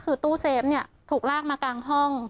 คือตู้เซฟเนี่ยถูกลากมากลางห้อง